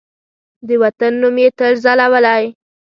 د وطن نوم یې تل ځلولی